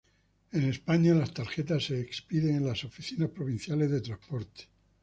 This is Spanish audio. En España, las tarjetas se expiden en las oficinas provinciales de transporte.